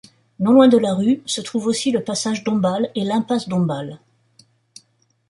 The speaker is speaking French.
Non loin de la rue, se trouvent aussi le passage Dombasle et l'impasse Dombasle.